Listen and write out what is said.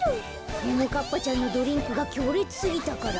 ももかっぱちゃんのドリンクがきょうれつすぎたから？